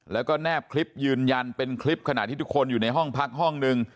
แล้วก็แนบคลิปยืนยันเป็นคลิปขณะที่ทุกคนอยู่ในห้องพักห้องหนึ่ง